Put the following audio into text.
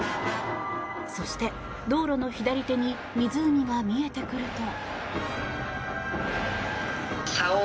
そして、道路の左手に湖が見えてくると。